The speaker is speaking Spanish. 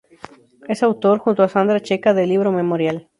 Es autor, junto a Sandra Checa, de "Libro memorial.